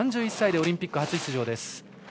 ３１歳でオリンピック初出場です。